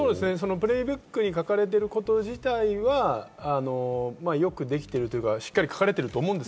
プレイブックに書かれていること自体はよくできているというか、しっかり書かれていると思うんです。